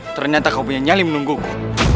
ternyata kau punya nyali menungguku